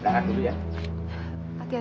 tak perlu setatio